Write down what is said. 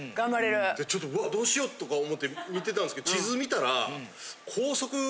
どうしようとか思って見てたんですけど地図見たら。